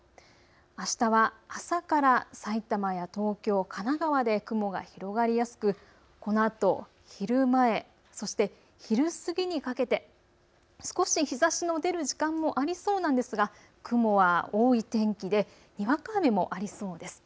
あしたは朝から埼玉や東京、神奈川で雲が広がりやすくこのあと昼前、そして昼過ぎにかけて少し日ざしの出る時間もありそうなんですが雲は多い天気でにわか雨もありそうです。